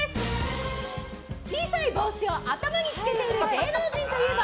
小さい帽子を頭につけている芸能人といえば？